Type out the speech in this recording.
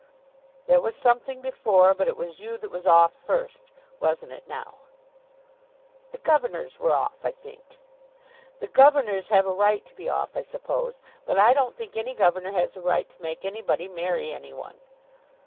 "There was something before, but it was you that was off first. Wasn't it now?" "The governors were off, I think." "The governors have a right to be off, I suppose. But I don't think any governor has a right to make anybody marry any one."